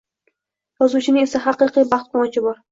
Yozuvchining esa haqiqiy baxt-quvonchi bor